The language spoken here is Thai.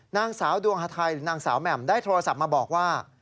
นางสาวดวงฮาไทยหรือนางสาวแหม่มได้โทรศัพท์มาบอกว่า